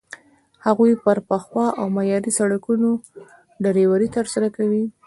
هغوی پر پخو او معیاري سړکونو ډریوري ترسره کوي.